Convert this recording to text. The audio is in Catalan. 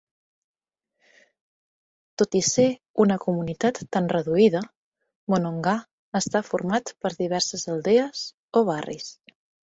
Tot i ser una comunitat tan reduïda, Monongah està format per diverses aldees o barris.